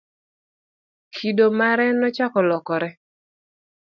kido mare nochako lokore